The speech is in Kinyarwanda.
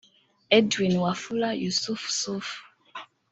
Edwin Wafula Yusuf Suf